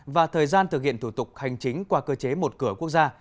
và thời gian thực hiện thủ tục hành chính qua cơ chế một cửa quốc gia